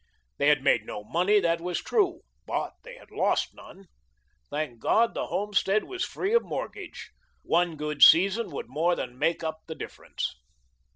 They had made no money, that was true; but they had lost none. Thank God, the homestead was free of mortgage; one good season would more than make up the difference.